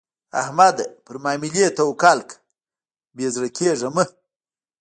احمده؛ پر ماملې توکل کړه؛ بې زړه کېږه مه.